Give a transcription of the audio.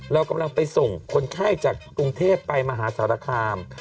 เรากำลังไปส่งคนไข้จากกรุงเทพไปมหาสารคาม